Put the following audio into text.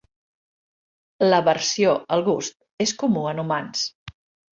L'aversió al gust és comú en humans.